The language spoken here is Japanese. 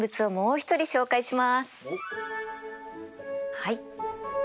はい。